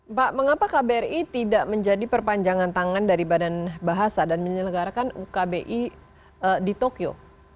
mbak mengapa kbri tidak menjadi perpanjangan tangan dari badan bahasa dan menyelenggarakan ukbi di tokyo